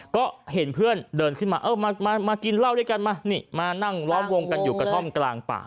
ก็เห็นเพื่อนเดินขึ้นมาเออมากินเหล้าด้วยกันมานี่มานั่งล้อมวงกันอยู่กระท่อมกลางป่า